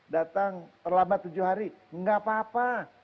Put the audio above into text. datang terlambat tujuh hari enggak apa apa